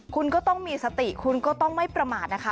คุณก็ต้องมีสติคุณก็ต้องไม่ประมาทนะคะ